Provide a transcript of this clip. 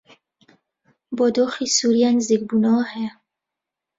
بۆ دۆخی سووریا نزیکبوونەوە هەیە